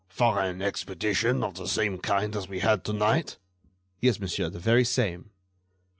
"For an expedition of the same kind as we had to night?" "Yes, monsieur, the very same."